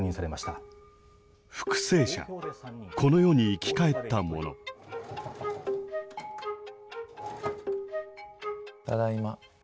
ただいま。